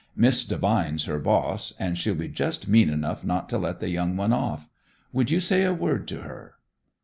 Miss Devine's her boss, and she'll be just mean enough not to let the young one off. Would you say a word to her?"